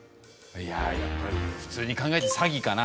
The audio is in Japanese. いやあやっぱり普通に考えてサギかな。